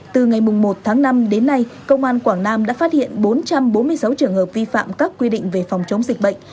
từ ngày một tháng năm đến nay công an quảng nam đã phát hiện bốn trăm bốn mươi sáu trường hợp vi phạm các quy định về phòng chống dịch bệnh